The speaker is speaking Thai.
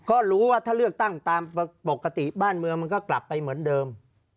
ก็รู้ว่าถ้าเลือกตั้งตามปกติบ้านเมืองมันก็กลับไปเหมือนเดิม